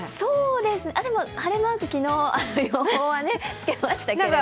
でも、晴れマークの昨日の予報ではつけましたけど。